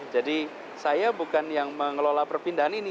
jadi saya bukan yang mengelola perpindahan ini